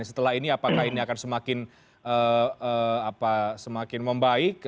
setelah ini apakah ini akan semakin membaik